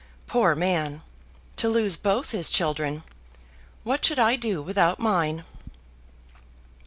Poor man! to lose both his children! What should I do without mine?"